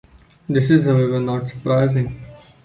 This is, however, not surprising.